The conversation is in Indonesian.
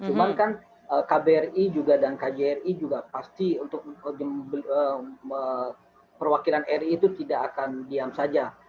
cuman kan kbri juga dan kjri juga pasti untuk perwakilan ri itu tidak akan diam saja